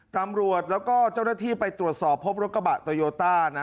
ตำรวจแล้วก็เจ้าหน้าที่ไปตรวจสอบพบรถกระบะโตโยต้านะ